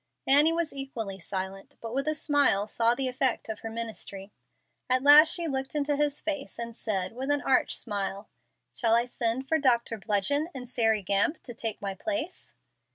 Annie was equally silent, but with a smile saw the effects of her ministry. At last she looked into his face, and said, with an arch smile, "Shall I send for Doctor Bludgeon and Sairy Gamp to take my place?"